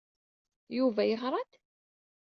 Yuba yeɣra-d?